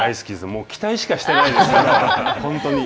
もう期待しかしてないです、本当に。